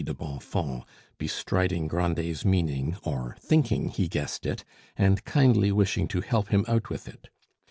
de Bonfons, bestriding Grandet's meaning, or thinking he guessed it, and kindly wishing to help him out with it.